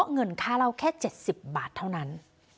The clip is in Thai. เงินค่าเล่าแค่๗๐บาทเท่านั้น